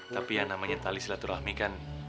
tapi yang namanya tali silaturahmi kan